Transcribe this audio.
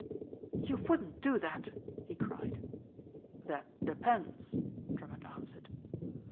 "You wouldn't do that?" he cried. "That depends," Drummond answered.